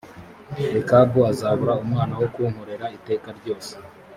rekabu azabura umwana wo kunkorera iteka ryose